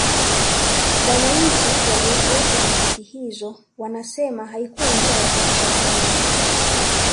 wananchi waliyowepo nyakati hizo wanasema haikuwa njaa ya kutisha sana